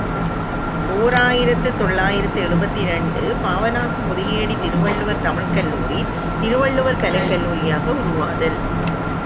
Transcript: ஓர் ஆயிரத்து தொள்ளாயிரத்து எழுபத்திரண்டு ● பாபநாசம் பொதிகையடி திருவள்ளுவர் தமிழ்க் கல்லூரி, திருவள்ளுவர் கலைக் கல்லூரியாக உருவாதல்.